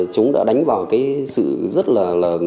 chúng đã đánh vào cái sự rất là